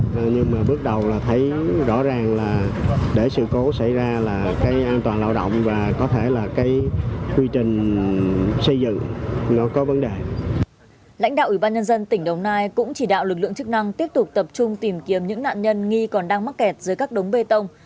lãnh đạo ủy ban nhân dân tỉnh đồng nai cũng chỉ đạo lực lượng chức năng tiếp tục tập trung tìm kiếm những nạn nhân nghi còn đang mắc kẹt dưới các đống bê tông